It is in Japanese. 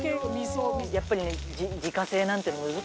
やっぱりね自家製なんて難しいのよ。